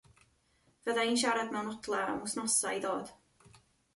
Fydda i'n siarad mewn odla am w'snosa i ddod.